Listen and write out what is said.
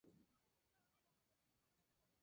Noventa hombres fueron establecido en la guarnición.